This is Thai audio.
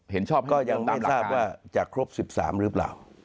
เห็นชอบให้ต่างหลักการก็ยังไม่ทราบว่าจะครบ๑๓หรือเปล่า